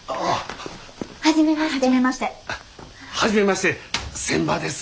初めまして仙波です。